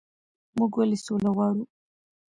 موږ ولې سوله غواړو؟